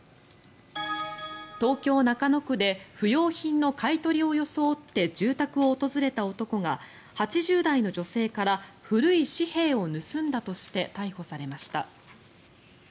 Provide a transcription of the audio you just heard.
東京・中野区で不用品の買い取りを装って住宅を訪れた男が８０代の女性から古い紙幣を盗んだとして逮捕されました。